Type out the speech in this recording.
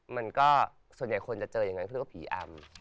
มันก็ส่วนใหญ่คนจะเจออย่างนั้นเขาเรียกว่าผีอำ